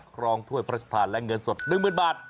ครองถ้วยพระราชทานและเงินสด๑๐๐๐บาท